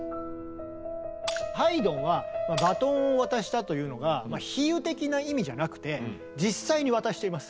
ハイドンはバトンを渡したというのが比喩的な意味じゃなくて実際に渡しています。